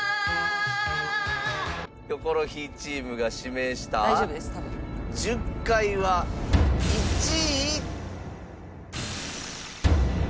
キョコロヒーチームが指名した『十戒』は１位。